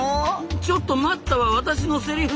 「ちょっと待った」は私のセリフ！